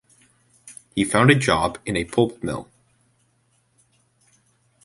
He found a job in a pulp mill.